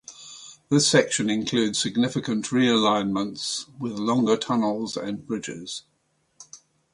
This section includes significant re-alignments with longer tunnels and bridges.